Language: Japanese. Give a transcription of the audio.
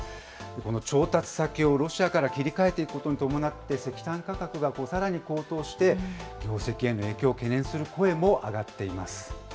この調達先をロシアから切り替えていくことに伴って、石炭価格がさらに高騰して、業績への影響を懸念する声も上がっています。